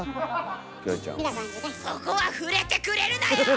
そこは触れてくれるなよ！